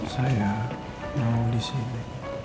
saya mau di sini